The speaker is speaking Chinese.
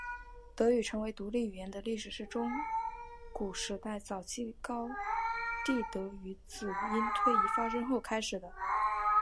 德语成为独立语言的历史是中古时代早期高地德语子音推移发生后开始的。